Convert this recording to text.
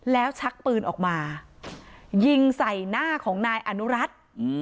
แล้วชักปืนออกมายิงใส่หน้าของนายอนุรัติ